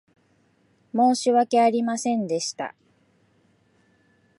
申し訳ありませんでした。